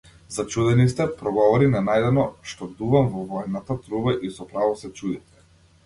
Зачудени сте, проговори ненадејно, што дувам во воената труба и со право се чудите!